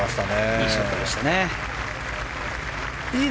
いいショットでしたね。